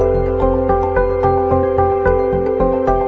จริงจริงจริงจริงพี่แจ๊คเฮ้ยสวยนะเนี่ยเป็นเล่นไป